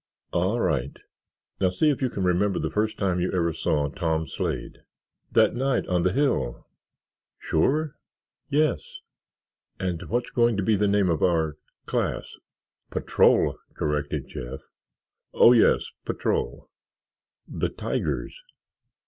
"All right. Now see if you can remember the first time you ever saw Tom Slade." "That night on the hill." "Sure?" "Yes." "And what's going to be the name of our—class?" "Patrol," corrected Jeff. "Oh yes, patrol." "The Tigers."